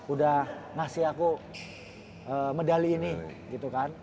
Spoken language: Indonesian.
udah ngasih aku medali ini